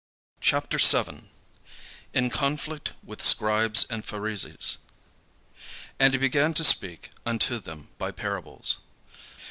CHAPTER XII IN CONFLICT WITH SCRIBES AND PHARISEES And he began to speak unto them by parables.